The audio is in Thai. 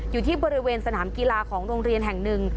อยู่ที่บริเวณสนามกีฬาของโรงเรียนแห่งหนึ่ง